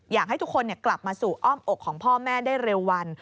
อยากให้ทุกคนกลับมาสู่อ้อมอกของพ่อแม่ได้เร็ววัน